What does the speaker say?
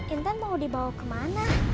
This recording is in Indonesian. intan mau dibawa kemana